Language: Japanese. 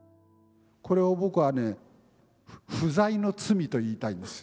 これを僕はね「不在の罪」と言いたいんです。